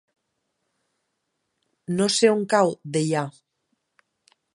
No sé on cau Deià.